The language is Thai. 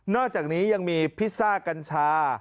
อกจากนี้ยังมีพิซซ่ากัญชา